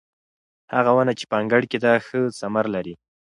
هغه ونه چې په انګړ کې ده ښه ثمر لري.